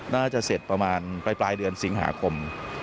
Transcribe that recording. น่าจะเสร็จประมาณปลายเดือนสิงหาคม